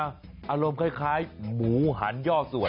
อารมณ์คล้ายหมูหันย่อสวย